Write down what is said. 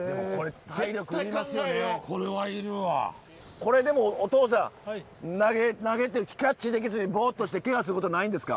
これでもお父さん投げてキャッチできずにぼっとしてケガすることないんですか？